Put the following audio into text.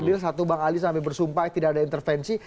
ada yang satu bang ali sampai bersumpah tidak ada intervensi